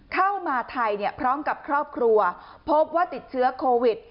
เข้ามาไทยพร้อมกับครอบครัวพบว่าติดเชื้อโควิด